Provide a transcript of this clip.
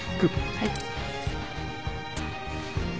はい。